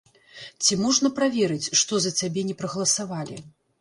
Ці можна праверыць, што за цябе не прагаласавалі?